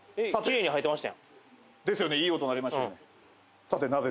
えっですよねいい音鳴りましたよねなぜ？